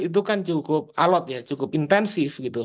itu kan cukup alot ya cukup intensif gitu